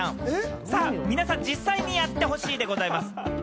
皆さん、実際にやってほしいでございます。